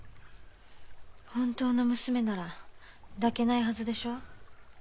本当の娘なら抱けないはずでしょう？